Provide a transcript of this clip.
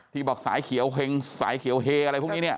บอกสายเขียวเฮงสายเขียวเฮอะไรพวกนี้เนี่ย